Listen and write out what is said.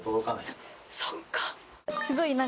そっか。